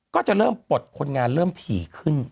ก็จะเริ่มปลดคนงานเริ่มถี่ขึ้น